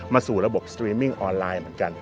สู่ระบบสตรีมมิ่งออนไลน์เหมือนกัน